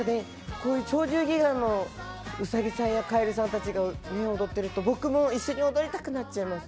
こういう「鳥獣戯画」のウサギさんやカエルさんたちがね踊ってると僕も一緒に踊りたくなっちゃいます。